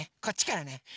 こっちからね。